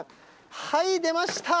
はい、出ました！